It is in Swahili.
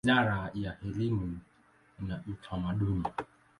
Wizara ya elimu na Utamaduni.